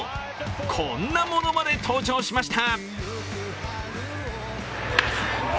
こんなものまで登場しました。